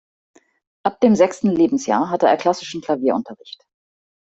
Ab dem sechsten Lebensjahr hatte er klassischen Klavierunterricht.